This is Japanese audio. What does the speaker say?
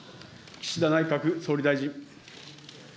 岸田内閣総理大臣。